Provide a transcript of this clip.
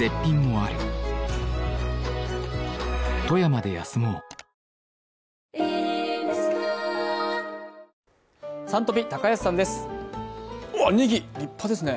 あっ、ねぎ、立派ですね。